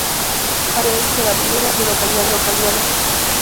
Actualmente es jardinero en su localidad de nacimiento.